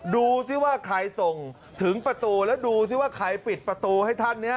ดูสิว่าใครส่งถึงประตูแล้วดูสิว่าใครปิดประตูให้ท่านเนี่ย